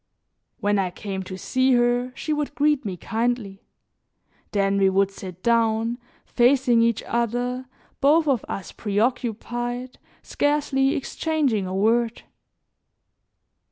When I came to see her, she would greet me kindly; then we would sit down facing each other, both of us preoccupied, scarcely exchanging a word.